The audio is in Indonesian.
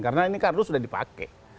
karena ini kan harus sudah dipakai